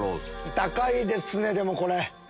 高いですねこれ。